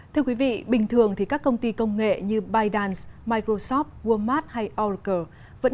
thưa quý vị bình thường thì các công ty công nghệ như bytedance microsoft walmart hay oregle vẫn